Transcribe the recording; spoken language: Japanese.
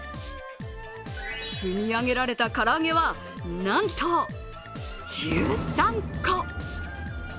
積み上げられた唐揚げはなんと１３個。